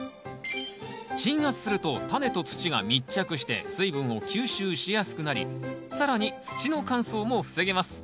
鎮圧するとタネと土が密着して水分を吸収しやすくなり更に土の乾燥も防げます。